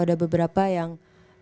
ada beberapa yang